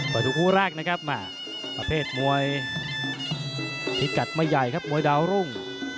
ไปดูคู่แรกนะครับประเภทมวยพิกัดไม่ใหญ่ครับมวยดาวรุ่ง